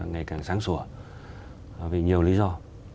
ngày càng sáng sủa vì nhiều lý do